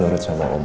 aku juga gak paham